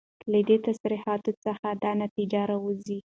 له دي تصريحاتو څخه دا نتيجه راوځي